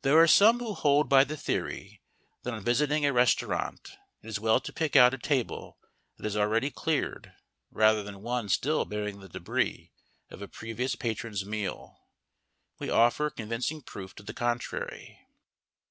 There are some who hold by the theory that on visiting a restaurant it is well to pick out a table that is already cleared rather than one still bearing the debris of a previous patron's meal. We offer convincing proof to the contrary.